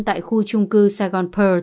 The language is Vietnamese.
tại khu chung cư saigon pearl